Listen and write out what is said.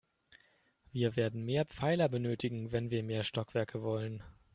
Wir werden mehr Pfeiler benötigen, wenn wir mehr Stockwerke wollen.